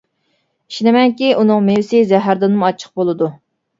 ئىشىنىمەنكى ئۇنىڭ مېۋىسى زەھەردىنمۇ ئاچچىق بولىدۇ.